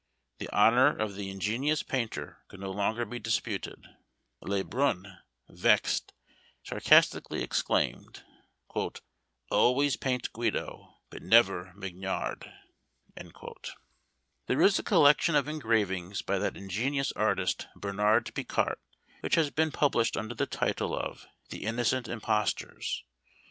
The honour of the ingenious painter could no longer be disputed; Le Brun, vexed, sarcastically exclaimed, "Always paint Guido, but never Mignard." There is a collection of engravings by that ingenious artist Bernard Picart, which has been published under the title of The Innocent Impostors.